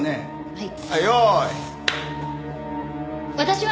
はい。